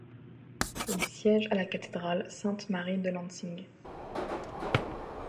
Il siège à la cathédrale Sainte-Marie de Lansing.